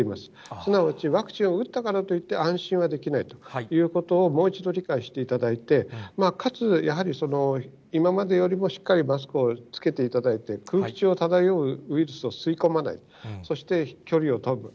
すなわちワクチンを打ったからといって、安心はできないということをもう一度理解していただいて、かつ、やはり今までよりもしっかりマスクを着けていただいて、空気中を漂うウイルスを吸い込まない、そして距離を取る。